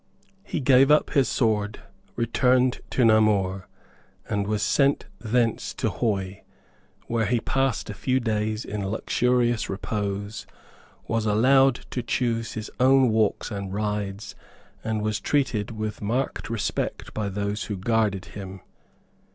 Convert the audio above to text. He gave up his sword, returned to Namur, and was sent thence to Huy, where he passed a few days in luxurious repose, was allowed to choose his own walks and rides, and was treated with marked respect by those who guarded him.